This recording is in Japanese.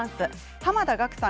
濱田岳さん